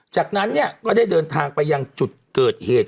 จากนั้นเนี่ยก็ได้เดินทางไปยังจุดเกิดเหตุ